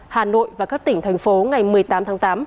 hà nội và các tỉnh thành phố ngày một mươi tám tháng tám